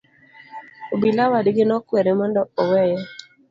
Obila wadgi nokwere mondo oweye.